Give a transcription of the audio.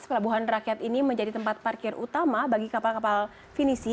pelabuhan rakyat ini menjadi tempat parkir utama bagi kapal kapal finisi